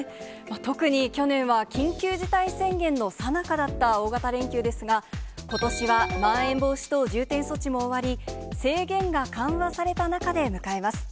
特に去年は緊急事態宣言のさなかだった、大型連休ですが、ことしは、まん延防止等じゅうてんそちもおわりこうして制限が緩和された中で迎えます。